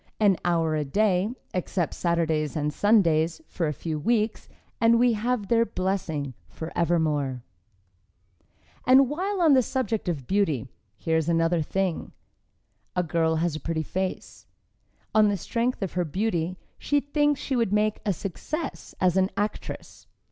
An hour a day, except Saturdays and Sundays, for a few weeks, and we have their blessing forevermore. [Illustration: JANET STONE AND NICK LONG, JR.] And while on the subject of beauty, here is another thing: A girl has a pretty face. On the strength of her beauty she thinks she would make a success as an actress.